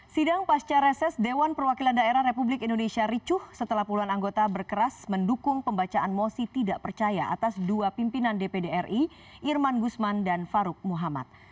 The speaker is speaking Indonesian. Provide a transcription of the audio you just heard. sidang pasca reses dewan perwakilan daerah republik indonesia ricuh setelah puluhan anggota berkeras mendukung pembacaan mosi tidak percaya atas dua pimpinan dpd ri irman gusman dan faruk muhammad